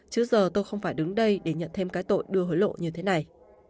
chứ giờ tôi không phải đứng đây để nhận thêm cái tội đưa hối lộ như thế này